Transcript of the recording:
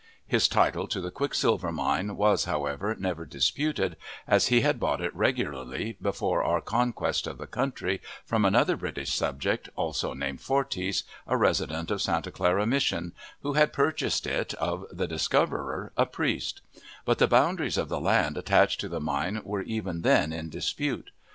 His title to the quicksilver mine was, however, never disputed, as he had bought it regularly, before our conquest of the country, from another British subject, also named Forties, a resident of Santa Clara Mission, who had purchased it of the discoverer, a priest; but the boundaries of the land attached to the mine were even then in dispute.